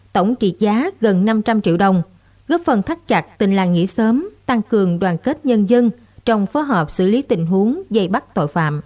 tổng trị giá gần năm trăm linh triệu đồng góp phần thắt chặt tình làng nghỉ sớm tăng cường đoàn kết nhân dân trong phối hợp xử lý tình huống dày bắt tội phạm